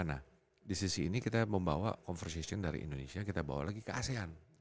nah di sisi ini kita membawa conversation dari indonesia kita bawa lagi ke asean